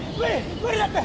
無理だって！